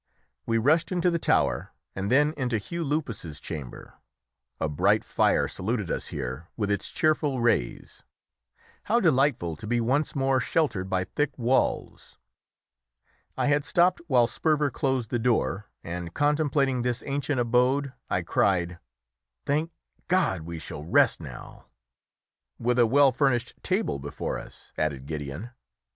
We rushed into the tower and then into Hugh Lupus's chamber. A bright fire saluted us here with its cheerful rays; how delightful to be once more sheltered by thick walls! I had stopped while Sperver closed the door, and contemplating this ancient abode, I cried "Thank God! we shall rest now!" "With a well furnished table before us," added Gideon.